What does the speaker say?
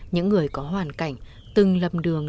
những người có hoàn cảnh từng lầm đường